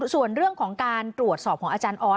ส่วนเรื่องของการตรวจสอบของอาจารย์ออส